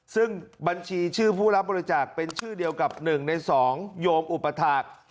ซึ่งบัญชีชื่อผู้รับบริจาคเป็นชื่อเดียวกับ๑ใน๒โยมอุปถาค